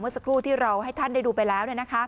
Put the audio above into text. สักครู่ที่เราให้ท่านได้ดูไปแล้ว